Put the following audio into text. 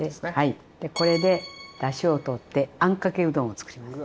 これでだしを取ってあんかけうどんをつくります。